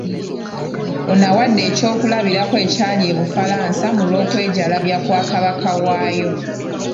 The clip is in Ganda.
Ono awadde ekyokulabirako ekyali e Bufalansa mu olw’okwejalabya kwa Kabaka waayo.